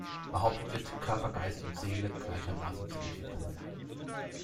Behauptet wird, Körper, Geist und Seele gleichermaßen zu entwickeln.